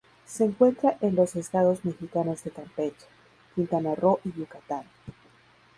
Se encuentra en los estados mexicanos de Campeche, Quintana Roo y Yucatán.